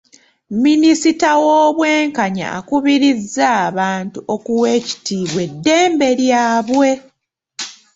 Minisita w'obwenkanya akubiriza abantu okuwa ekitiibwa eddembe lyabwe.